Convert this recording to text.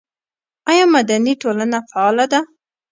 آیا مدني ټولنه فعاله ده؟